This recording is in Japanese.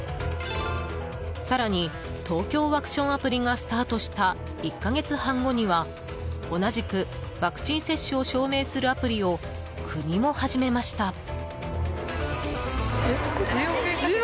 更にＴＯＫＹＯワクションアプリがスタートした１か月半後には同じくワクチン接種を証明するアプリを国も始めました。